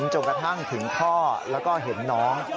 จนกระทั่งถึงพ่อแล้วก็เห็นน้อง